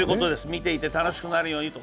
見ていて楽しくなるようにと。